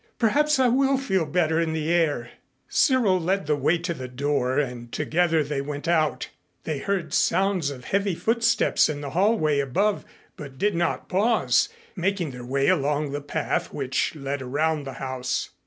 "Perhaps I will feel better in the air." Cyril led the way to the door and together they went out. They heard sounds of heavy footsteps in the hallway above but did not pause, making their way along the path which led around the house.